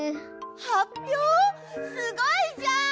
すごいじゃん！